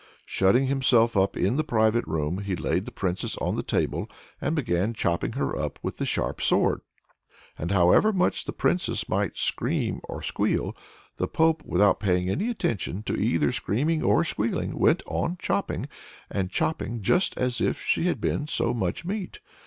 Shutting himself up in the private room, he laid the Princess on the table, and began chopping her up with the sharp sword; and however much the Princess might scream or squeal, the Pope, without paying any attention to either screaming or squealing, went on chopping and chopping just as if she had been so much beef.